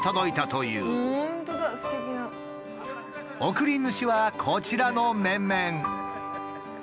送り主はこちらの面々。